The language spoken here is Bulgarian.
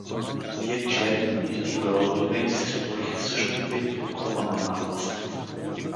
И тия черни, набити гроздове им се сториха също тъй прокоба на напаст.